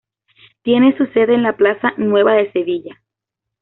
Tiene su sede en la Plaza Nueva de Sevilla.